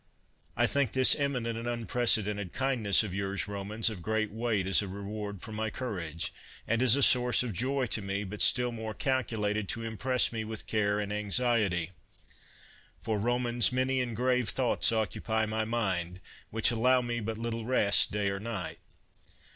I think this eminent and unprecedented kind ness of yours, Romans, of great weight as a reward for my courage, and as a source of joy to me, but still more calculated to impress me with care and anxiety. For, Romans, many and grave thoughts occupy my mind, which allow me but little rest day or night.